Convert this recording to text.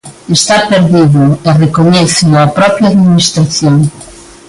Está perdido, e recoñéceo a propia Administración.